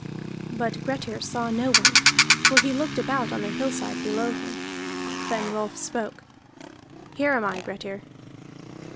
But Grettir saw no one, for he looked about on the hillside below him. Then Rolf spoke: "Here am I, Grettir."